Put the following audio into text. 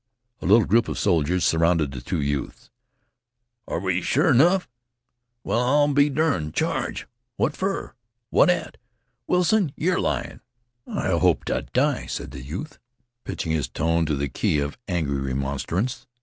A little group of soldiers surrounded the two youths. "Are we, sure 'nough? Well, I'll be derned! Charge? What fer? What at? Wilson, you're lyin'." "I hope to die," said the youth, pitching his tones to the key of angry remonstrance.